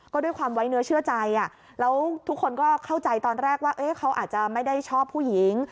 ก็ด้วยความไว้เนื้อเชื่อใจแล้วทุกคนก็เข้าใจตอนแรกว่าเขาอาจจะไม่ได้ชอบผู้หญิง